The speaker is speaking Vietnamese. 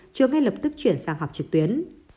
trường ngay lập tức chuyển sang học trực tuyến